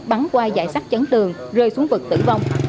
bắn qua dạy sát chấn tường rơi xuống vực tử vong